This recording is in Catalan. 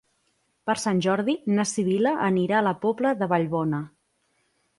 Per Sant Jordi na Sibil·la anirà a la Pobla de Vallbona.